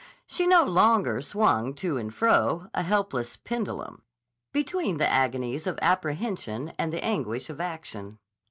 She no longer swung to and fro, a helpless pendulum, between the agonies of apprehension and the anguish of action.